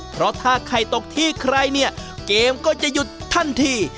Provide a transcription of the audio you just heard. เพราะถ้าไข่ตกที่ใครเนี่ยเกมก็จะหยุดทันที